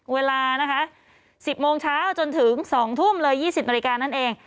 เวลานะคะ๑๐โมงเช้าจนถึง๒ทุ่มเลย๒๐นาฬิกานั่นเอง